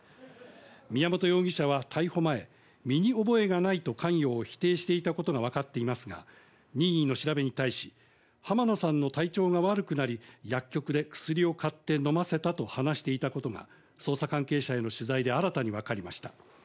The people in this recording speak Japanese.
宮本容疑者は逮捕前、身に覚えがないと関与を否定していたことがわかっていますが、任意の調べに対し、浜野さんの体調が悪くなり、薬局で薬を買って飲ませたと話していたことが捜査関係者への取材で新たに分かりました。